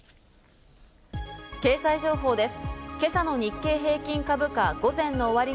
経済情報です。